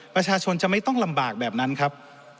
ประชาชนจะไม่ต้องลำบากแบบนั้นครับ